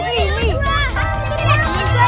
sini gua aja buat gua